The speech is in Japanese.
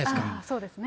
そうですね。